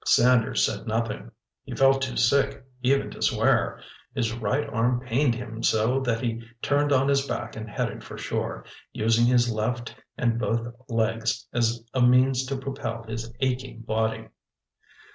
Sanders said nothing. He felt too sick even to swear. His right arm pained him so that he turned on his back and headed for shore, using his left and both legs as a means to propel his aching body.